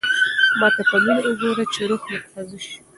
ما ته په مینه وګوره چې روح مې تازه شي.